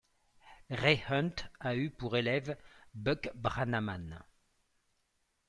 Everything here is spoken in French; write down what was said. Ray Hunt a eu pour élève Buck Brannaman.